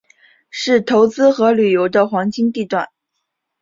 是投资和旅游的黄金地段。